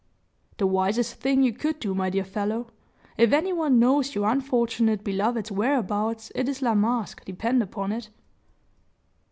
"The wisest thing you could do, my dear fellow. If any one knows your unfortunate beloved's whereabouts, it is La Masque, depend upon it."